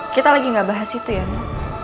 kita lagi gak bahas itu ya